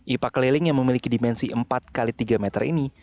ipa keliling yang memiliki dimensi empat x tiga meter ini